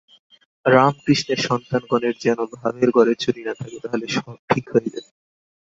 রামকৃষ্ণের সন্তানগণের যেন ভাবের ঘরে চুরি না থাকে, তাহলে সব ঠিক হয়ে যাবে।